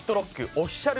オフィシャル